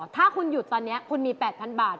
ถ้าคุณหยุดตอนนี้คุณมี๘๐๐๐บาท